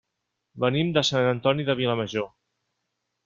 Venim de Sant Antoni de Vilamajor.